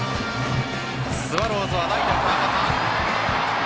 スワローズは代打・川端。